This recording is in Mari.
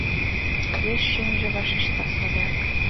Вес шÿмжö вашешта садак.